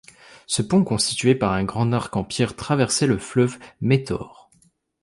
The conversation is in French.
Ce pont constitué par un grand arc en pierre traversait le fleuve Métaure.